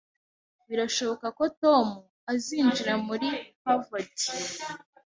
Birashoboka ko Tom azinjira muri Harvard